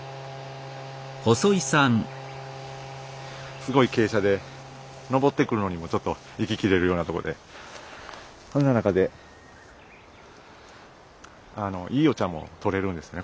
すごい傾斜で登ってくるのにもちょっと息切れるようなところでそんな中でいいお茶もとれるんですね